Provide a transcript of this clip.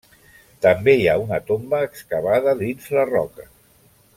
També hi ha una tomba excavada dins la roca.